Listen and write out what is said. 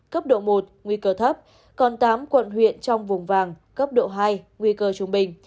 cấp độ một nguy cơ thấp còn tám quận huyện trong vùng vàng cấp độ hai nguy cơ trung bình